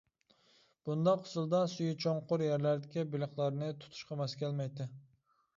بۇنداق ئۇسۇلدا سۈيى چوڭقۇر يەرلەردىكى بېلىقلارنى تۇتۇشقا ماس كەلمەيتتى.